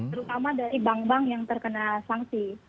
terutama dari bank bank yang terkena sanksi